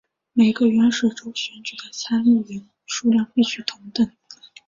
每个原始州选举的参议员数量必须同等。